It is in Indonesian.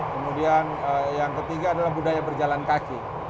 kemudian yang ketiga adalah budaya berjalan kaki